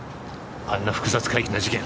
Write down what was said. あんな複雑怪奇な事件